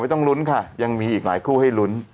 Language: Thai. ต้องลุ้นค่ะยังมีอีกหลายคู่ให้ลุ้น